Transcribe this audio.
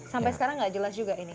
sampai sekarang nggak jelas juga ini